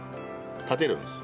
立てるんです。